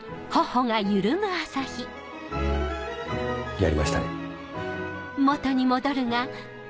やりましたね。